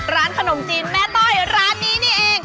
ร้านขนมจีนแม่ต้อยร้านนี้นี่เอง